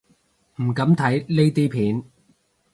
唔敢睇呢啲片